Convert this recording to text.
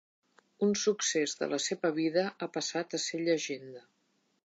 Un succés de la seva vida ha passat a ser llegenda.